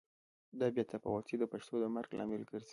دا بې تفاوتي د پښتو د مرګ لامل ګرځي.